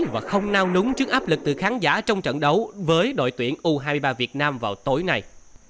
và không nao núng trước áp lực từ khán giả trong trận đấu với đội tuyển u hai mươi ba việt nam vào tối nay